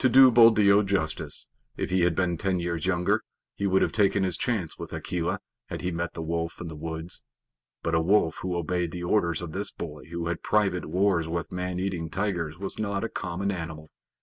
To do Buldeo justice, if he had been ten years younger he would have taken his chance with Akela had he met the wolf in the woods, but a wolf who obeyed the orders of this boy who had private wars with man eating tigers was not a common animal.